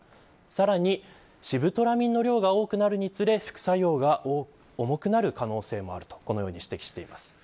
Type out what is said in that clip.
さらに、シブトラミンの量が多くなるにつれ副作用が重くなる可能性があるとして指摘しています